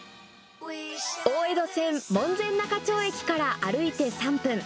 大江戸線門前仲町駅から歩いて３分。